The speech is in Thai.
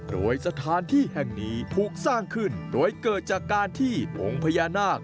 โดยสถานที่แห่งนี้ถูกสร้างขึ้นโดยเกิดจากการที่องค์พญานาค